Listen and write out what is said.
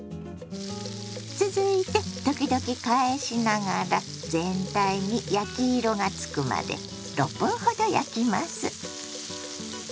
続いて時々返しながら全体に焼き色がつくまで６分ほど焼きます。